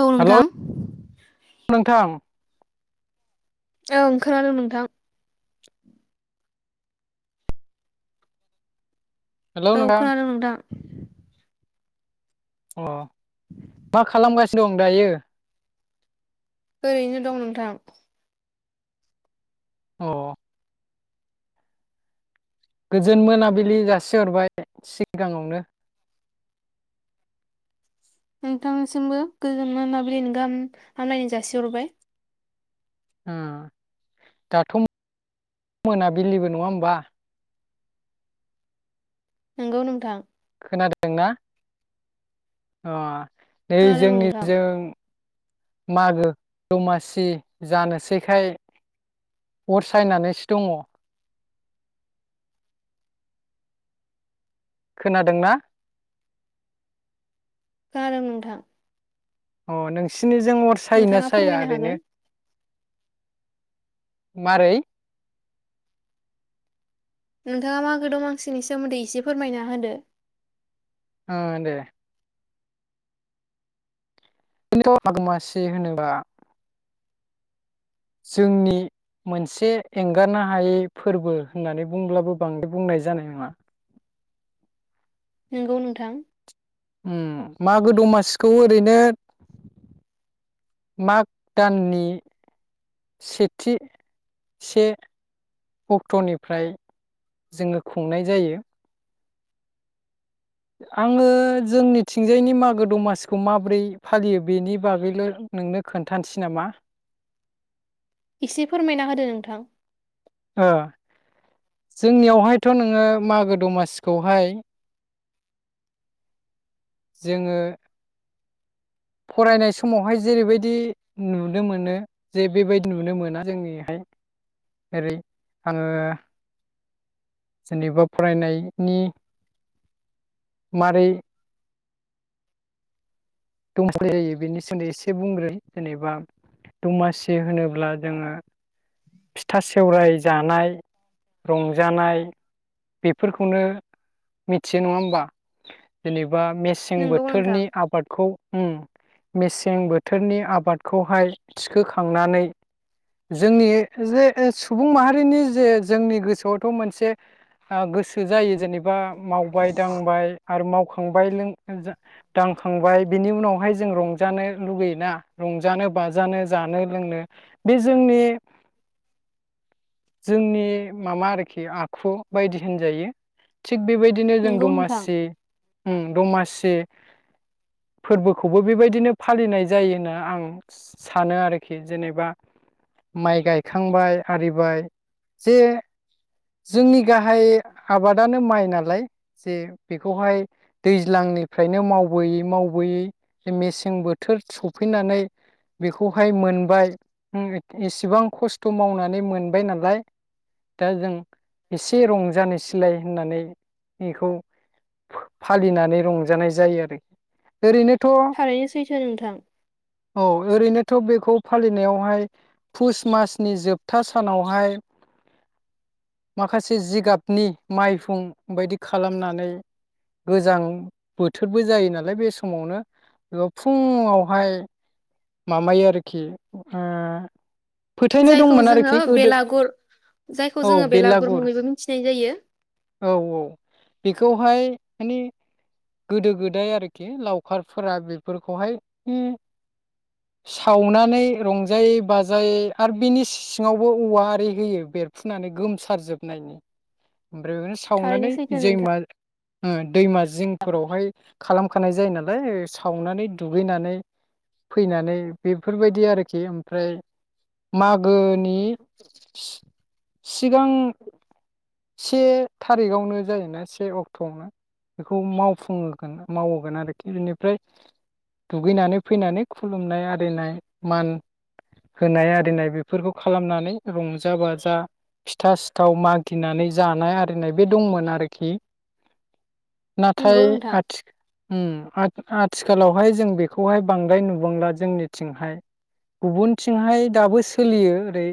औ हेलौ नोंथां। नोंथां ओं खोनादों नोंथां। हेलौ औ नोंथां खोनादोंं नोंथां। अ मा खालामगासि दं दायो? ओरैनो दं नोंथां। अ गोजोन मोनाबिलि जासिहरबाय सिगाङावनो। नोंथांसिमबो गोजोन मोनाबिलिनि गाहाम हामलायनाय जासिहरबाय। उम दाथ' [inaudible] मोनाबिलिबो नङा होमबा? नंगौ नोंथां। खोनादोंना? अ नै खोनादों जोंनि नोंथां जों मागो दमासि जानोसैखाय अर सायनानैसो दङ। खोनादोंना? खोनादों नोंथां। अ नोंसि थिनि जों अर सायोना नोंथाङा साया फोरमायनो हागोन ओरैनो? मारै? नोंथाङा मागो दमासिनि सोमोन्दै एसे फोरमायना होदो। ओ दे। [unintelligible] मासि होनोबा जोंनि मोनसे एंगारनो हायै फोरबो होननानै बुंब्लाबो बांद्राय बुंनाय जानाय नङा। नोंगौ नोंथां। उम मागो दमासिखौ ओरैनो माग दाननि सेथि से अक्ट'निफ्राय जोङो खुंनाय जायो आङो जोंनिथिंजायनि मागो दमासिखौ माब्रै फालियो बेनि बागैल' नोंनो खोन्थानोसै नामा? एसे फोरमायना होदो नोंथां। ओ जोंनियावहायथ' नोङो मागो दमासिखौहाय जोङो फरायनाय समावहाय जेरैबायदि नुनो मोनो जे बेबायदि नुनो मोना जोंनिहाय ओरै आङो जेनेबा फरायनायनि मारै [unintelligible] जायो बेनि सोमोन्दै एसे बुंग्रोन जेनेबा दमासि होनोब्ला जोङो फिथा सेवराइ जानाय रंजानाय बेफोरखौनो मिथियो नङा होमबा जेने बा मेसें नोंगौ नोंथां बोथोरनि आबादखौ उम मेसें बोथोरनि आबादखौहाय थिखोखांनानै जोंनि जे सुबुं माहारिनि जे जोंनि गोसोआवथ' मोनसे ओ गोसो जायो जेनेबा मावबाय दांबाय आरो मावखांबाय दांखांबाय बिनि उनावहाय जों रंजानो लुगैयोना रंजानो बाजानो जानो लोंनो बे जोंनि जोंनि माबा आरोखि आखु बायदि होनजायो। थिग बेबायदिनो जों नोंगौ नोंथां दमासि ओम दमासि फोरबोखौबो बेबायदिनो फालिनाय जायोनो आं सानो आरोखि जेनेबा माइ गाय खांबाय आरिबाय जे जोंनि गाहाय आबादानो माइ नालाय जे बेखौहाय दैज्लांनिफ्रायनो मावबोयै मावबोयै मेसें बोथोर सफैनानै बेखौहाय मोनबाय एसेबां खस थ' मावनानै मोनबाय नालाय दा जों एसे रंजानो सिलाय होननानै बेखौ फालिनानै रंजानाय जायो आरो। ओरैनोथ' थारैनो सैथो नोंथां। औ ओरैनोथ' बेखौ फालिनायावहाय पुस मास नि जोबथा सानावहाय माखासे जिगाबनि माइहुं बायदि खालामनानै गोजां बोथोरबो जायो नालाय बे समावनो बे फुङावहाय माबायो आरोखि ओ फोथायनाय जायखौ दंमोन जोङो आरोखि गोदो बेलागुर जायखौ औ जोङो बेलागुर मुङैबो मिथिनाय जायो औ औ बेखौहाय माने गोदो गोदाय आरोखि लावखारफोरा बेफोरखौहाय सावनानै रंजायै बाजायै आर बिनि सिङावबो औवा आरि होयो बेरफुनानै गोमसारजोबनायनि ओमफ्राय बिदिनो थारैनो सावनानै सैथो नोंथां जैमा ओ। दैमा जिंफोरावहाय खालामखानाय जायो नालाय सावनानै दुगैनानै फैनानै बेफोरबायदि आरोखि ओमफ्राय मागोनि सि-सिगां से थारिखआवनो जायोना से अक्ट'आवनो बेखौ मावफुंगोन मावगोन आरोखि बेनिफ्राय दुगैनानै फैनानै खुलुमनाय आरिनाय मान होनाय आरो आरिनाय बेफोरखौ खालामनानै रंजा बाजा फिथा सिथाव मागिनानै जानाय आरिनाय बे दंमोन आरोखि। नाथाय नोंगौ नोंथां आथि ओम आ आथिखालावहाय जों बेखौहाय बांद्राय नुबांला जोंनिथिंहाय गुबुनथिंहाय दाबो सोलियो ओरै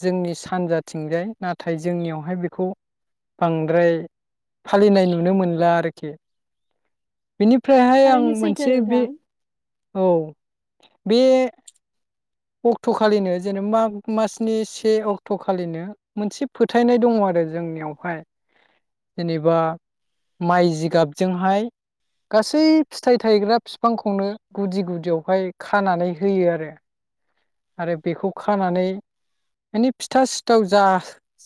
जोंनि सानजाथिंजाय नाथाय जोंनियावहाय बेखौ बांद्राय फालिनाय नुनो मोनला आरोखि। बेनिफ्रायहाय आं थारैनो सैथो मोनसे बे नोंथां औ। बे अक्ट'खालिनो जेनेबा माग मासनि से अक्ट'खालिनो मोनसे फोथायनाय दङ आरो जोंनियावहाय जेनेबा माइ जिगाबजोंहाय गासै फिथाइ थायग्रा फिफांखौनो गुदि गुदियावहाय खानानै होयो आरो। आरो बेखौ खानानै माने फिथा सिथाव जा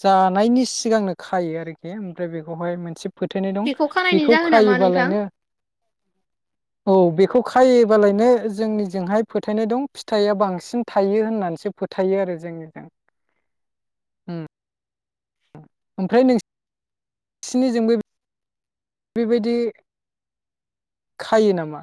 जानायनि सिगांनो खायो आरोखि ओमफ्राय बेखौहाय मोनसे फोथायनाय दं। खानायनि बेखौ जाहोना मा नोंथां? खायोबालायनो औ बेखौ खायोबालायनो जोंनि जोंहाय फोथायनाय दं फिथाइआ बांसिन थायो होननानैसो फोथायो आरो जोंनिजों ओम। ओमफ्राय नों सिनिजोंबो बेबायदि खायो नामा?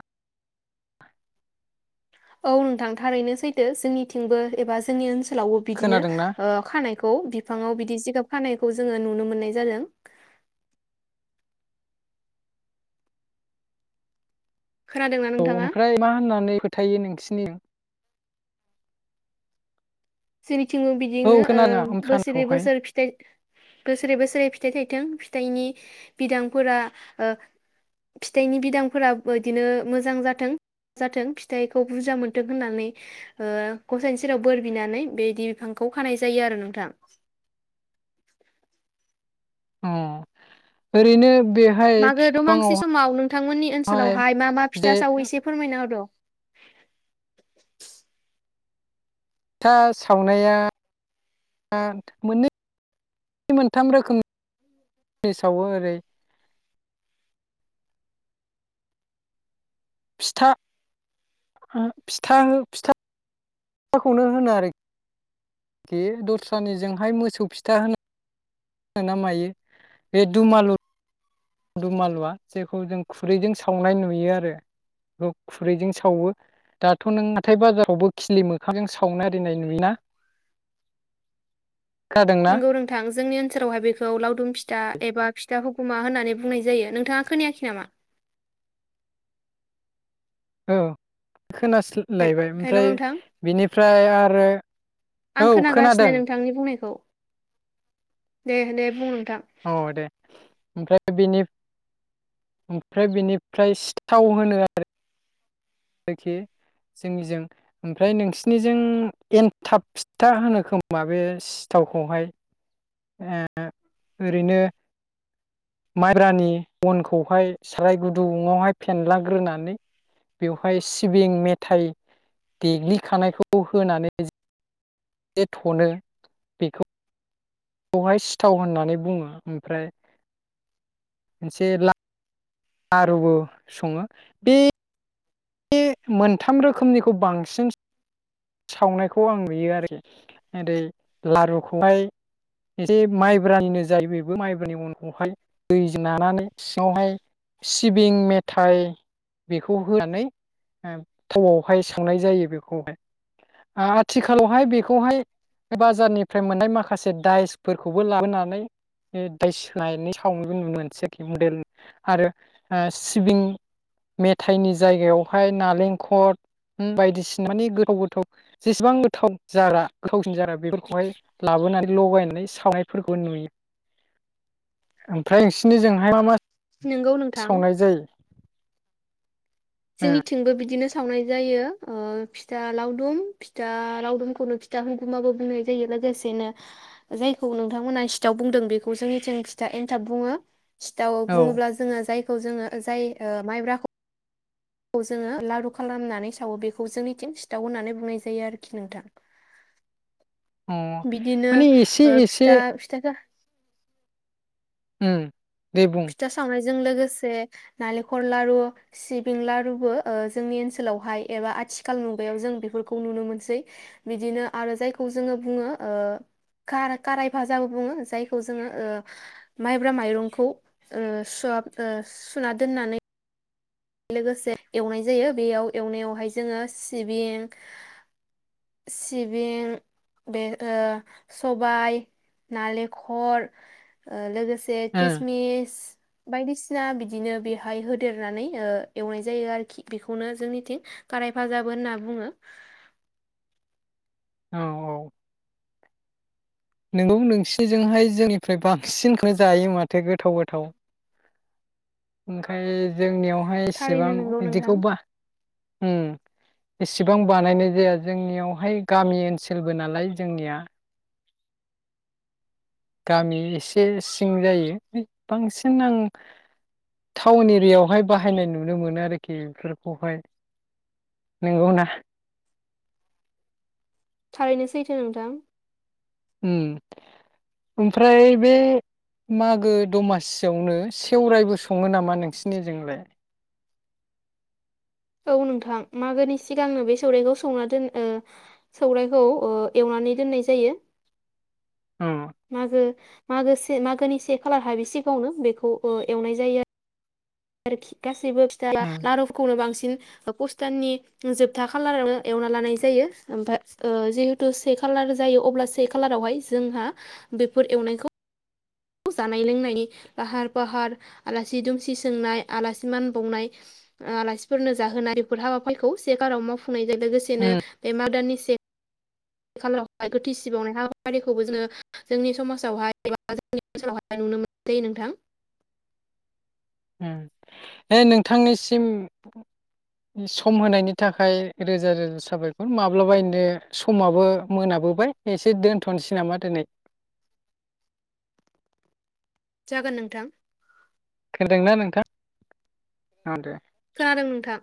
औ नोंथां थारैनो सैथो जोंनिथिंबो एबा जोंनि ओनसो लावबो बिदिनो खोनादोंना ओ खानाय खौ बिफाङाव बिदि जिगाब खानायखौ जोङो नुनो मोननाय जादों। खोनादोंना औ नोंथाङा? ओमफ्राय मा होननानै फोथायो नोंसि [unintelligible] सिरि थिंबो औ बिदिनो ओ खोनाङा बोसोरै ओंखानखौहाय बोसोर फिथाइ बोसोरै बोसोरै फिथाइ थाइथों थाइनि बिदांफोरा ओ फिथाइनि बिदांफोरा बिदिनो मोजां जाथों जाथों फिथाइखौ बुरजा मोनथों होननानै ओ गसाइनि सेराव बोर बिनानै बेदि बिफांखौ खानाय जायो आरो नोंथा। अ ओरैनो बेहाय मागो दमांसि बिफाङावहाय समाव नोंथांमोननि ओनसोलावहाय मा मा जे फिथा साव एसे फोरमायना होद था सावनाया मोननै मोन मोनथाम रोखोमनि सावो ओरै फिथा फिथा फिथाखौनो होनो आरोखि बे दस्रानिजोंहाय मोसौ फिथा होनो ना मायो बे दुमालु दुम आालुआ जेखौ जों खुरैजों सावनाय नुयो आरो बेखौ खुरैजों सावो दाथ नों हाथाय बाजारावबो खिलि मोखांजों सावनाय आरिनाय नुयोना। खोनादोंना नोंगौ नोंथां जोंनि ओनसोलावहाय बेखौ लावदुम फिथा एबा फिथा हु खमा होननानै बुंनाय जायो नोंथाङा खोनायाखै नामा। औ। खोनासलायबाय हेल' ओमफ्राय नोंथां बिनिफ्राय आरो आं औ खोनागासिनो खोनादों। नोंथांनि बुंनायखौ दे दे बुं। नोंथां औ दे ओमफ्राय बेनि ओमफ्राय बेनिफ्राय सिथाव होनो आरो। रोखि जोंनिजों ओमफ्राय नोंसिनिजों एनथाब फिथा होनो खोमा बे सिथावखौहाय ओ ओरैनो माइब्रानि अनखौहाय साराय गुदुुङावहाय फेनलाग्रोनानै बेवहाय सिबिं मेथाइ देग्लिखानायखौ होनानै जे थनो बेखौ खौहाय सिथाव होननानै बुङो ओमफ्राय मोनसे ला आरुबो सङो बे बे मोनथाम रोखोमनिखौ बांसिन सावनायखौ आं नुयो आरोखि ओरै लारुखौहाय एसे माइब्रानिनो जायो बेबो माइब्रानि उनखौहाय दै नानानै सिङावहाय सिबिं मेथाइ बेखौ होनानै थाआवहाय सावनाय जायो बेखौहाय आथिखालावहाय बेखौहाय बाजारनिफ्राय मोननाय माखासे दायसफोरखौबो लाबोनानै दायस होननानै साव मोनसै आरोखि मडेल आरो ओ सिबिं मेथाइनि जायगायाव फ्राय नालेंखद बायदिसिना मानि गोथाव गोथाव जेसेबां गोथाव जाग्रा गोथावसिन जाग्रा बेफोरखौहाय लाबोनानै लगायनानै सावनायफोरखौ नुयो ओमफ्राय नोंसिनि जोंहाय मा मा। नोंगौ नोंथां। संनाय जायो? जोंनि ओ थिथिंबो बिदिनोस सावनाय जायो फिथा लावदुम फिथा लावदुमखौनो फिथा हुगुमाबो बुंनाय जायो लोगोसेनो जायखौ नोंथांमोना सिथाव बुंदों बेखौ जोंनिथिं फिथा एनथाब बुङो सिथाव बुङोब्ला जोङो जाय खौ जोङो जाय माइब्राखौ खौ जोङो लारु खालामनानै सावो बेखौ जोंनिथिं सिथाव होननानै बुंनाय जायो आरोखि नोंथां। औ अ बिदिनो माने एसे ओ एसे फिथा फिथाखो। उम। देबुं। जों लोगोसे नालेंखर लारु सिबिं लारुबो ओ जोंनि ओनसोलावहाय एबा आथिखाल मुगायाव जों बेफोरखौ नुनो मोनसै बिदिनो आरो जायखौ जोङो बुङो ओ खार खाराय भाजाबो बुङो जायखौ जोङो ओ माइब्रा माइरंखौ ओ सुहाब ओ सुना दोननानै लोगोसे एवनाय जायो बेयाव एवनायावहाय जोङो सिबिं सिबिं बे ओ सबाय नालेंखर ओ लोगोस से ओ खिसमिस बायदिसिना बिदिनो बेहाय होदेरनानै ओ एवनाय जायो आरोखि बेखौनो जोंनिथिं खारायफाजाबो होनना बुङो औ औ। नोंगौ नोंसिजोंहाय जोंनिफ्राय बांसिनखौनो जायो माथो गोथाव गोथाव ओंखाय जोंनियावहाय थारैनो इसेबां नोंगौ नोंथां बिदिखौ बा उम एसेबां बानायनाय जाया जोंनियावहाय गामि ओनसोलबो नालाय जोंनिया। गामि एसे सिं जायो बांसिन आं टाउन एरियावहाय बा हायनाय नुनो मोनो आरखि बेफोरखौहाय नंगौना? थारैनो सैथो नोंथां। उम ओमफ्राय बे मागो दमासियावनो सेवराइबो सङो नामा नोंसिनिजोंलाय? औ नोंथां मागोनि सिगांनो बे सौराइखौ सौना दोन ओ सौराइखौ ओ एवनानै दोननाय जायो। उम मागो मागो से मागोनि से खालार हाबि सिगाङावनो बेखौ एवनाय जायो आरोखि गास सिबो फिथा उम लारुखौनो बांसि न अ पुष दाननि जोबथा खालारावनो एवना लानाय जायो ओमफाय ओ जिहेतु से खालार जायो अब्ला से खालारावहाय जोंहा बेफोर एवनायखौ जानाय लोंनायनि लाहार फाहार आलासि दुमसि सोंनाय आलासि मान बावनाय आलासिफोरनो जाहोनाय बेफोर हाबाफारिफोरखौ से खालाराव मावफुं नायजों लोगोसेनो उम बे [unintelligible] से खालारावहाय [inaudible] जायो नोंथां। उम नोंथांनिसिम सम होनायनि थाखाय रोजा रोजा साबायखर माब्लाबायैनो समाबो मोनाबोबाय एसे दोनथ'नोसै नामा दिनै जागोन नोंथां। खोनादोंना नोंथां औ दे खोनादों नोंथां।